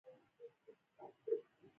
احمد خپله مور حج ته بوتله.